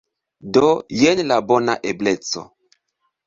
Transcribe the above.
Do jen la bona ebleco!